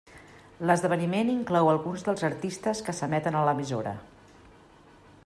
L'esdeveniment inclou alguns dels artistes que s'emeten a l'emissora.